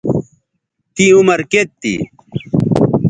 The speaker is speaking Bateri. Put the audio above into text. تیں عمر کیئت تھی